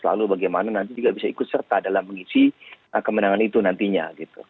lalu bagaimana nanti juga bisa ikut serta dalam mengisi kemenangan itu nantinya